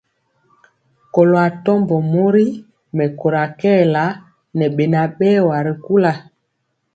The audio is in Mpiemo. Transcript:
Kɔlo atɔmbɔ mori mɛkóra kɛɛla ŋɛ beŋa berwa ri kula.